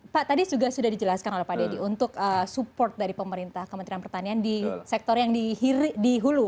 pak tadi juga sudah dijelaskan oleh pak dedy untuk support dari pemerintah kementerian pertanian di sektor yang di hulu